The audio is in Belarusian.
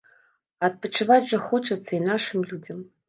А адпачываць жа хочацца і нашым людзям.